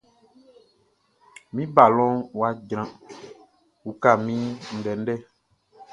Min balɔnʼn wʼa jran, uka min ndɛndɛ!